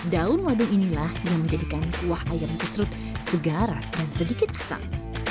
daun wadung inilah yang menjadikan kuah ayam kesrut segarat dan sedikit asam